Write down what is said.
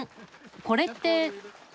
これって。